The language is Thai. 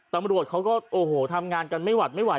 ตำรวจเขาก็โอ้โหทำงานกันไม่หวัดไม่ไหว